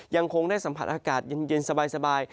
ยังคงได้สัมผัสอากาศเย็นสบาย